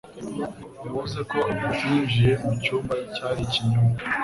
Yavuze ko atinjiye mu cyumba, cyari ikinyoma.